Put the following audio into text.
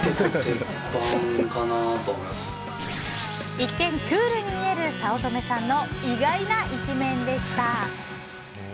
一見クールに見える早乙女さんの意外な一面でした。